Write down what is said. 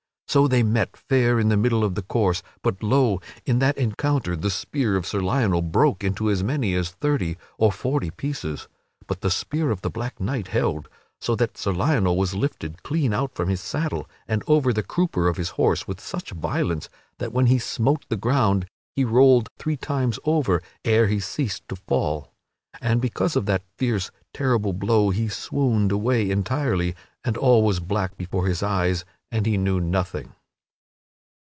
So they met fair in the middle of the course, but lo! in that encounter the spear of Sir Lionel broke into as many as thirty or forty pieces, but the spear of the black knight held, so that Sir Lionel was lifted clean out from his saddle and over the crupper of his horse with such violence that when he smote the ground he rolled three times over ere he ceased to fall. And because of that fierce, terrible blow he swooned away entirely, and all was black before his eyes, and he knew nothing.